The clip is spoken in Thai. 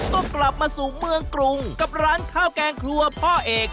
ก็กลับมาสู่เมืองกรุงกับร้านข้าวแกงครัวพ่อเอก